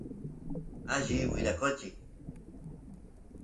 alli waraqochi